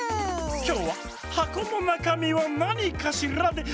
きょうは「はこのなかみはなにかしら？」であそぶの！